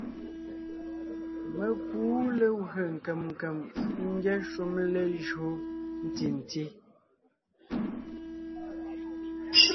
Mé kúu legwé nkèm nkèm ngyɛ́ shúm lejÿo ntí nti;